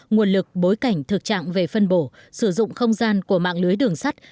nguồn lực bối cảnh thực trạng về phân bổ sử dụng không gian của mạng lưới đường sắt